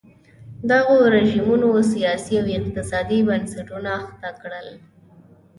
دغو رژیمونو سیاسي او اقتصادي بنسټونه اخته کړل.